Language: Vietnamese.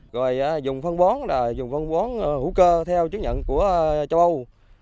rồi dùng phân bón là dùng phân bón hữu cơ theo chứng nhận của châu âu